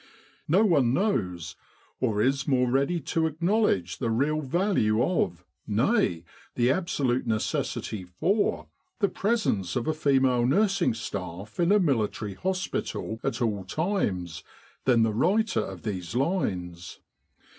No one knows, or is more ready to acknowledge the real value of, nay, the absolute necessity for, the presence of a female nursing staff in a Military Hospital at all times, than the writer of these lines.